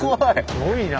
すごいな！